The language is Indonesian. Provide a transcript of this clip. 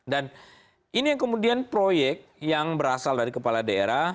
dan ini kemudian proyek yang berasal dari kepala daerah